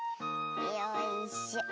よいしょ。